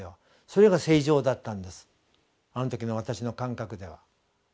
それが「正常」だったんですあの時の私の感覚では。